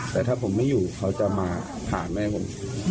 แต่ถ้าผมไม่อยู่เขาจะมาผ่าแม่ผม